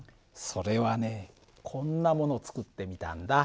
それはねこんなもの作ってみたんだ。